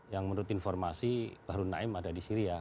yang menurut informasi baru naim ada di suriah